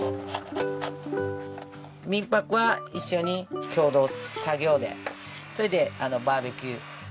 民泊は一緒に共同作業でそれでバーベキュー。